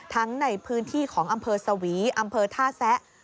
ทั้งในพื้นที่ของอำเภอสวีอำเภอท่าแซะ